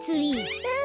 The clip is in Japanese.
うん！